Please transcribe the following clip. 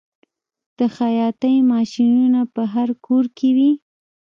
د خیاطۍ ماشینونه په هر کور کې وي